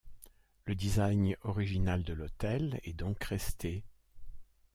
Le design original de l'hôtel est donc resté.